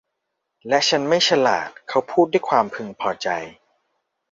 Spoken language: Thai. และฉันไม่ฉลาด เขาพูดด้วยความพึงพอใจ